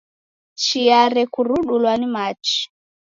Chia rekurudulwa ni machi.